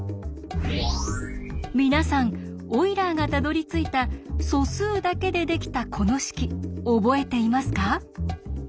皆さんオイラーがたどりついた素数だけでできたこの式覚えていますか？